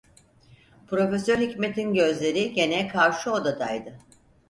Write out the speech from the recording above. Profesör Hikmet’in gözleri gene karşı odadaydı.